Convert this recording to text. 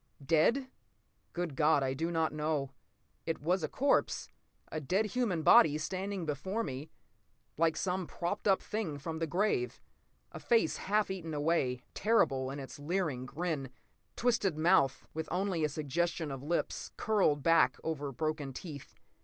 Dead? Good God, I do not know. It was a corpse, a dead human body, standing before me like some propped up thing from the grave. A face half eaten away, terrible in its leering grin. Twisted mouth, with only a suggestion of lips, curled back over broken teeth.